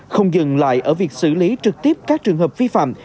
không dừng lại ở việc xử lý trực tiếp các trường hợp vi phạm